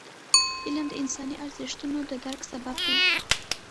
علم د انساني ارزښتونو د درک سبب دی.